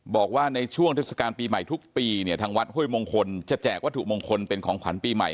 บอกว่าในช่วงเทศกาลปีใหม่ทุกปีเนี่ยทางวัดห้วยมงคลจะแจกวัตถุมงคลเป็นของขวัญปีใหม่